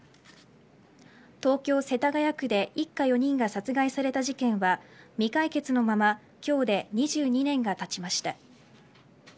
東京・世田谷区で一家４人が殺害された事件は未解決のまま今日で２２年がたちました。